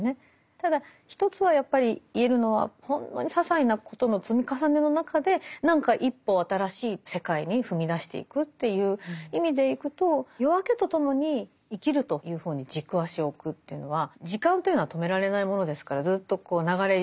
ただ一つはやっぱり言えるのはほんのささいなことの積み重ねの中で何か一歩新しい世界に踏み出していくという意味でいくと夜明けとともに「生きる」というほうに軸足を置くというのは時間というのは止められないものですからずっと流れゆくもの。